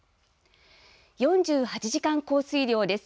４８時間降水量です。